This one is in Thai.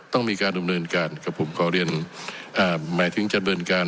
ต้องมีการดำเนินการกับผมขอเรียนอ่าหมายถึงจะเดินการ